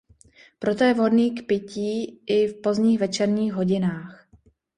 Proto je vhodný k pití i v pozdních večerních hodinách.